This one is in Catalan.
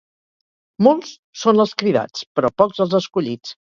Molts són els cridats, però pocs els escollits.